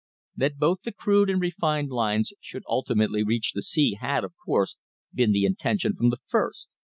That both the crude and refined lines should ultimately reach the sea had, of course, been the intention from the first.